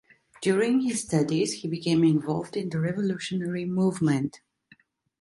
During his studies he became involved in the revolutionary movement.